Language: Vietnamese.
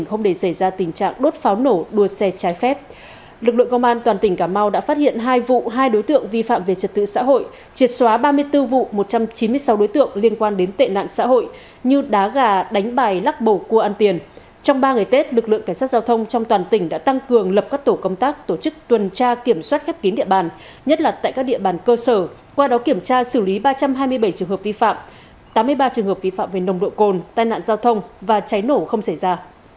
trong ba ngày tết lực lượng cảnh sát giao thông trong toàn tỉnh đã tăng cường lập các tổ công tác tổ chức tuần tra kiểm soát khép kín địa bàn nhất là tại các địa bàn cơ sở qua đó kiểm tra xử lý ba trăm hai mươi bảy trường hợp vi phạm tám mươi ba trường hợp vi phạm về nồng độ cồn tai nạn giao thông và cháy nổ không xảy ra